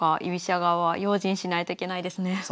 居飛車側は用心しないといけないですね。